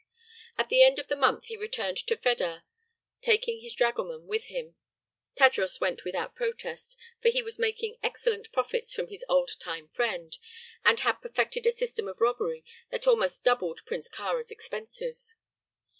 At the end of the month he returned to Fedah, taking his dragoman with him. Tadros went without protest, for he was making excellent profits from his old time friend and had perfected a system of robbery that almost doubled Prince Kāra's expenses.